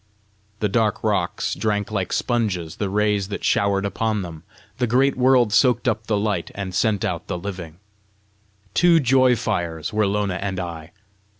The dark rocks drank like sponges the rays that showered upon them; the great world soaked up the light, and sent out the living. Two joy fires were Lona and I.